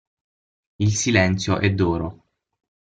Il silenzio è d'oro.